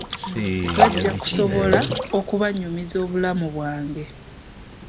Bajja kusobola okubanyumizza obulamu bwange.